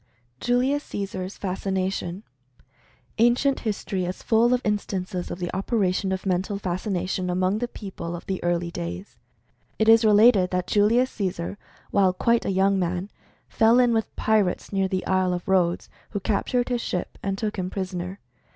julius caesar's fascination. Ancient history is full of instances of the operation of Mental Fascination among the people of the early days. It is related that Julius Caesar, while quite a young man, fell in with pirates near the Isle of Rhodes, who captured his ship, and took him prisoner.